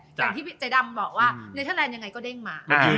อย่างที่ใจดำบอกว่าเนเทอร์แลนด์ยังไงก็เด้งมา